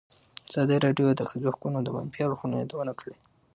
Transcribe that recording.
ازادي راډیو د د ښځو حقونه د منفي اړخونو یادونه کړې.